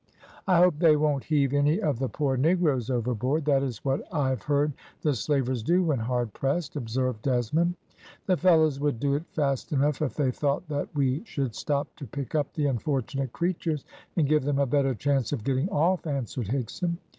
"I hope they won't heave any of the poor negroes overboard. That is what I have heard the slavers do when hard pressed," observed Desmond. "The fellows would do it fast enough if they thought that we should stop to pick up the unfortunate creatures, and give them a better chance of getting off," answered Higson.